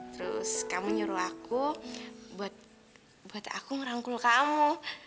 terus kamu nyuruh aku buat aku merangkul kamu